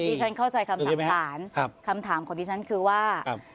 ที่ฉันเข้าใจคำสั่งสารคำถามของดิฉันคือว่า